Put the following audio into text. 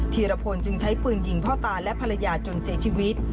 ธีรพลจึงใช้ปืนยิงพ่อตาและภรรยาจนเสียชีวิต